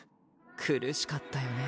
苦しかったよね？